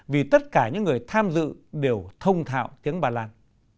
vì tất cả những người tham dự đều thông thạo tiếng ba lan